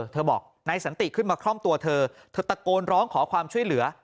เธอบอกนายสันติขึ้นมาคล่อมตัวเธอเธอตะโกนร้องขอความช่วยเหลือ